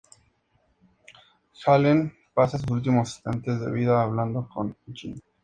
Galen pasa sus últimos instantes de vida hablando con Jyn.